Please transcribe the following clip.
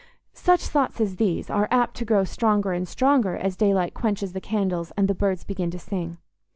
Such thoughts as these are apt to grow stronger and stronger as daylight quenches the candles and the birds begin to sing.